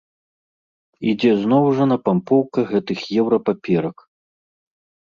Ідзе зноў жа напампоўка гэтых еўра-паперак.